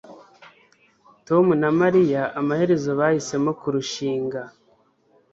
tom na mariya amaherezo bahisemo kurushinga